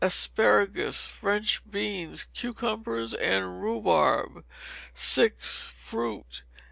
Asparagus, French beans, cucumbers, and rhubarb. vi. Fruit.